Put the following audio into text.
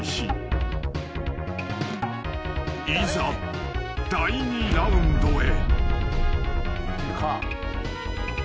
［いざ第２ラウンドへ］